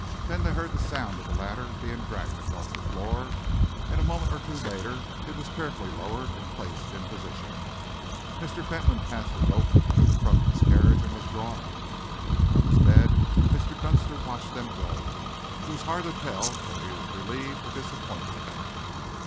Then they heard the sound of the ladder being dragged across the floor, and a moment or two later it was carefully lowered and placed in position. Mr. Fentolin passed the rope through the front of his carriage and was drawn up. From his bed Mr. Dunster watched them go. It was hard to tell whether he was relieved or disappointed.